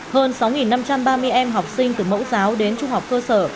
hơn sáu năm trăm ba mươi em học sinh từ mẫu giáo đến trung học cơ sở